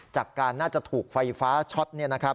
จากการน่าจะถูกไฟฟ้าช็อต